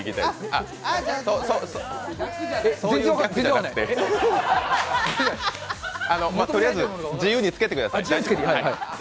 あの、とりあえず自由につけてください。